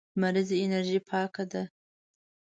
لمريزه انرژي پاکه ده.